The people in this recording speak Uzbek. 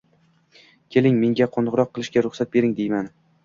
“keling, menga qoʻngʻiroq qilishga ruxsat bering”, deyman.